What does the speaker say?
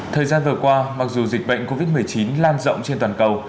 thời gian vừa qua mặc dù dịch bệnh covid một mươi chín lan rộng trên toàn cầu